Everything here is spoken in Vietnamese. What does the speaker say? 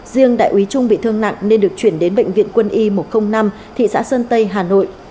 riêng đại úy trung bị thương nặng nên được chuyển đến bệnh viện quân y một trăm linh năm thị xã sơn tây hà nội